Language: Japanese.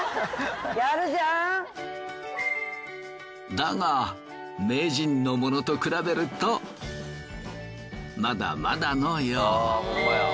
だが名人のものと比べるとまだまだのよう。